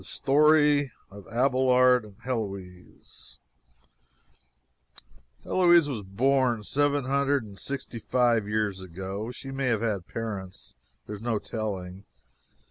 STORY OF ABELARD AND HELOISE Heloise was born seven hundred and sixty six years ago. She may have had parents. There is no telling.